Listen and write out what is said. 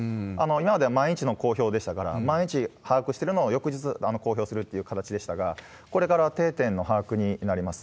今までは毎日の公表でしたから、毎日把握してるのを、翌日公表するって形でしたが、これからは定点の把握になります。